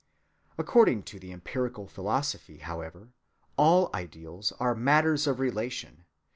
According to the empirical philosophy, however, all ideals are matters of relation.